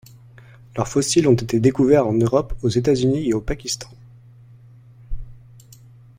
Leurs fossiles ont été découverts en Europe, aux États-Unis et au Pakistan.